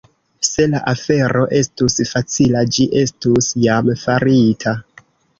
Se la afero estus facila, ĝi estus jam farita.